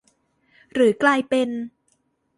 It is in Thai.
หรือกลายเป็น